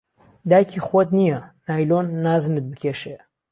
دایکی خوهت نییه، نایلۆن، نازنت بکێشێ